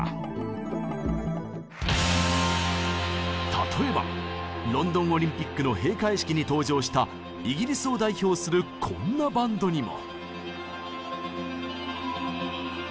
例えばロンドンオリンピックの閉会式に登場したイギリスを代表するこんなバンドにも。